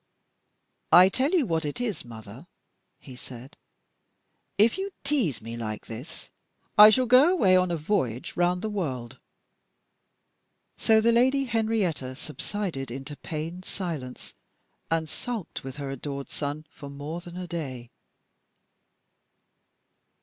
"I tell you what it is, mother," he said, "if you tease me like this I shall go away on a voyage round the world!" So the Lady Henrietta subsided into pained silence, and sulked with her adored son for more than a day.